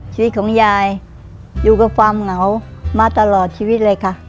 ชีวิตของยายอยู่กับความเหงามาตลอดชีวิตเลยค่ะ